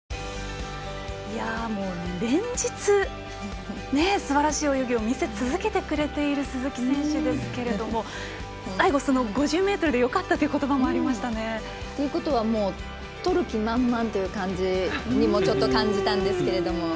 連日すばらしい泳ぎを見せ続けてくれている鈴木選手ですけれども最後５０ｍでよかったという言葉もありましたね。ということはとる気満々という感じにもちょっと感じたんですけれども。